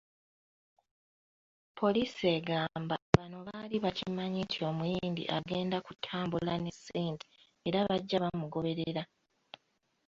Poliisi egamba bano baali bakimanyi nti omuyindi agenda kutambula ne ssente era bajja bamugoberera.